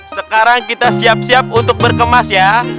sekarang kita siap siap untuk berkemas ya